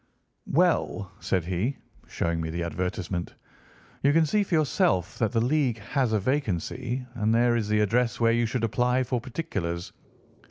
"'Well,' said he, showing me the advertisement, 'you can see for yourself that the League has a vacancy, and there is the address where you should apply for particulars.